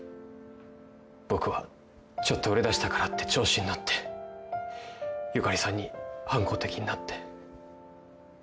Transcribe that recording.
僕はちょっと売れだしたからって調子に乗ってゆかりさんに反抗的になって。